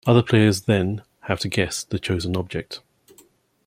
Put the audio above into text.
Other players then have to guess the chosen object.